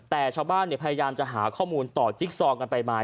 แต่ชาวบ้านพยายามจะหาข้อมูลต่อจิ๊กซองกันไปมา